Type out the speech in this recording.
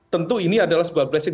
tentu ini adalah sebuah blessing